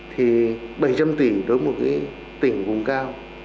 thì bảy trăm linh tỷ đối với một tỉnh vùng cao